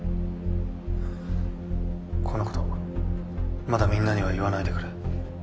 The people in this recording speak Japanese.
このことまだみんなには言わないでくれ。